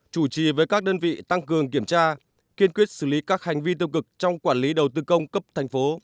chủ trì với các đơn vị tăng cường kiểm tra kiên quyết xử lý các hành vi tiêu cực trong quản lý đầu tư công cấp thành phố